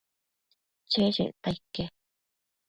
cheshecta ique